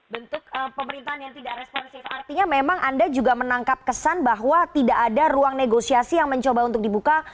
bentuk pemerintahan yang tidak responsif artinya memang anda juga menangkap kesan bahwa tidak ada ruang negosiasi yang mencoba untuk dibuka